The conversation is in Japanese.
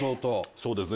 そうですね。